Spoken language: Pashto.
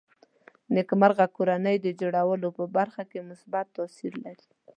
نېکمرغه کورنۍ د جوړولو په برخه کې مثبت تاثیر ولري